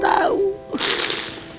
mbak pernah tau ya